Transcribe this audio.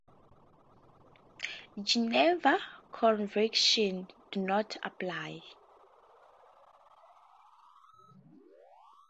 Geneva Conventions do not apply.